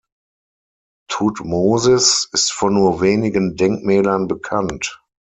Thutmosis ist von nur wenigen Denkmälern bekannt.